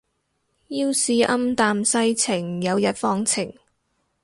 要是暗淡世情有日放晴